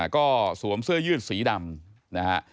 ก็สวมเสื้อยืดสีดำนะฮะ